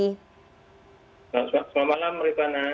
selamat malam maritana